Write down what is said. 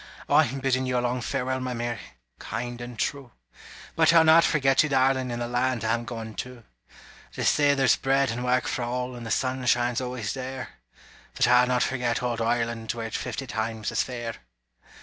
I'm biddin' you a long farewell, My Mary kind and true! But I'll not forget you, darling, In the land I'm goin' to; They say there's bread and work for all, And the sun shines always there But I'll not forget old Ireland, Were it fifty times as fair!